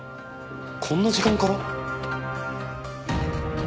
こんな時間から？